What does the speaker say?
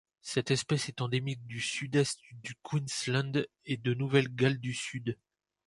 Cette espèce est endémique du sud-est du Queensland et de Nouvelle-Galles du Sud.